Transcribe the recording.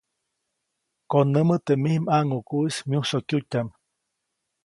Konämä teʼ mij ʼmaŋʼukuʼis myusokyutyaʼm.